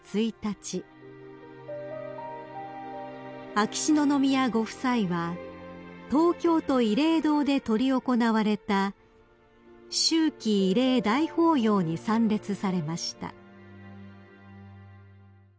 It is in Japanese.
［秋篠宮ご夫妻は東京都慰霊堂で執り行われた秋季慰霊大法要に参列されました］